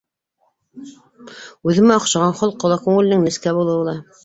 Үҙемә оҡшаған, холҡо ла, күңеленең нескә булыуы ла